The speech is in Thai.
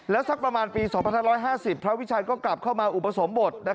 สักประมาณปี๒๕๕๐พระวิชัยก็กลับเข้ามาอุปสมบท